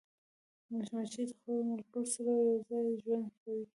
مچمچۍ د خپلو ملګرو سره یوځای ژوند کوي